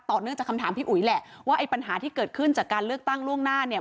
เนื่องจากคำถามพี่อุ๋ยแหละว่าไอ้ปัญหาที่เกิดขึ้นจากการเลือกตั้งล่วงหน้าเนี่ย